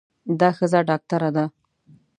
دا ښځه ډاکټره ده.